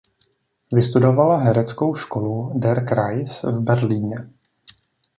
Vystudovala hereckou školu "Der Kreis" v Berlíně.